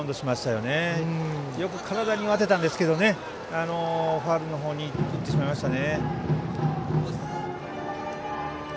よく体に当てたんですがファウルの方にいってしまいました。